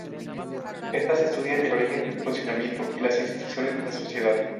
Estas estudian el origen, funcionamiento y las instituciones de la sociedad.